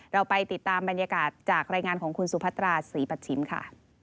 เราไปติดตามบรรยากาศจากรายงานของคุณสุพัตราศรีปัชชิมค่ะ